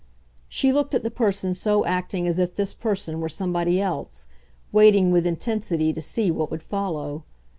She looked at the person so acting as if this person were somebody else, waiting with intensity to see what would follow.